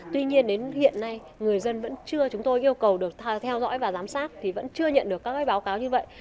tuy nhiên đến hiện nay người dân vẫn chưa chúng tôi yêu cầu được theo dõi và giám sát thì vẫn chưa nhận được các báo cáo như vậy